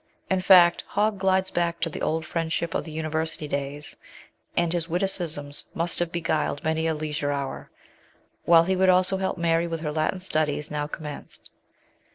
In fact, Hogg glides back to the old friendship of the university days, and his witticisms must have beguiled many a leisure hour, while he would also help Mary with her Latin studies now commenced.